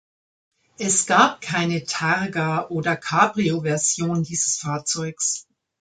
Es gab keine Targa- oder Cabrio-Version dieses Fahrzeugs.